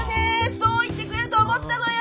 そう言ってくれると思ったのよ！